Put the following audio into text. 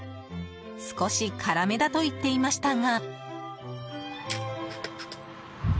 少し辛めだと言っていましたが。